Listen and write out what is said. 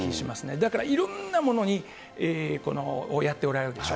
だからいろんなものにやっておられるでしょ。